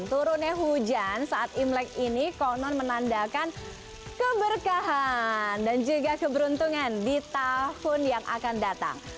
turunnya hujan saat imlek ini konon menandakan keberkahan dan juga keberuntungan di tahun yang akan datang